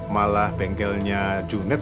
malah bengkelnya junet